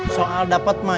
soal dapet mah